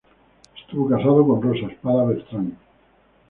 Estuvo casado con Rosa Espada Bertrán.